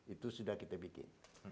itu sudah kita bikin